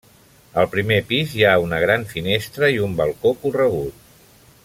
Al primer pis hi ha una gran finestra i un balcó corregut.